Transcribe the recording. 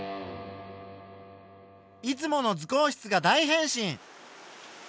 いつもの図工室が大変身！